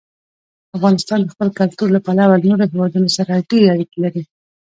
افغانستان د خپل کلتور له پلوه له نورو هېوادونو سره ډېرې اړیکې لري.